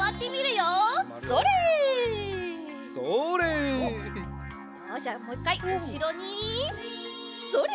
よしじゃあもういっかいうしろにそれ！